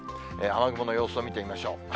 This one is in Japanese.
雨雲の様子を見てみましょう。